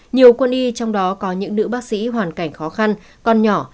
nhiều quân y trong đó có những nữ bác sĩ hoàn cảnh khó khăn con nhỏ